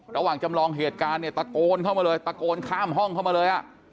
จำลองเหตุการณ์เนี่ยตะโกนเข้ามาเลยตะโกนข้ามห้องเข้ามาเลย